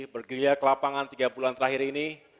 bergeria ke lapangan tiga bulan terakhir ini